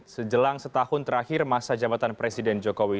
sejelang setahun terakhir masa jabatan presiden jokowi